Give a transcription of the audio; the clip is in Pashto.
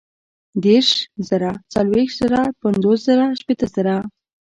دېرش زره ، څلوېښت زره ، پنځوس زره ، شپېته زره